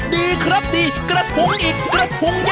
ดีครับดีกระทุงอีกกระทุงเยอะ